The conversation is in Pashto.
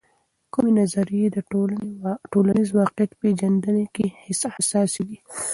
کومې نظریې د ټولنیز واقعیت پیژندنې کې حساسې دي؟